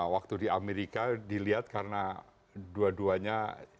waktu di amerika dilihat karena dua duanya